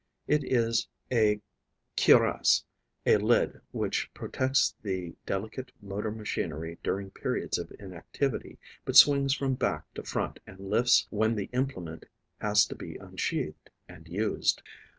It is a cuirass, a lid which protects the delicate motor machinery during periods of inactivity but swings from back to front and lifts when the implement has to be unsheathed and used.